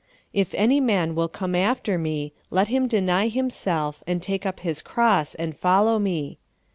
" If an}^ man will come after me, let him deny himself, and take up his cross and follow me."